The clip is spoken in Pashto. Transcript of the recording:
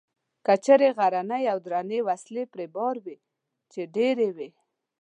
کچرې غرنۍ او درنې وسلې پرې بار وې، چې ډېرې وې.